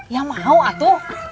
ya mau atul